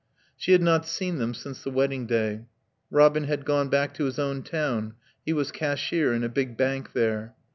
She had not seen them since the wedding day. Robin had gone back to his own town; he was cashier in a big bank there.